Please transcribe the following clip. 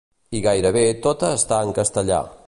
I gairebé tota està en castellà.